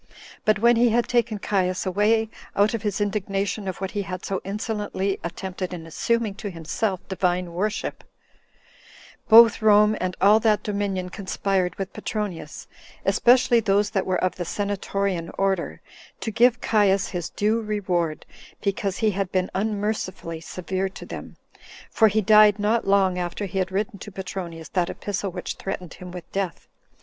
But when he had taken Caius away, out of his indignation of what he had so insolently attempted in assuming to himself divine worship, both Rome and all that dominion conspired with Petronius, especially those that were of the senatorian order, to give Caius his due reward, because he had been unmercifully severe to them; for he died not long after he had written to Petronius that epistle which threatened him with death.